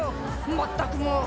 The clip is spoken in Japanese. まったくもう」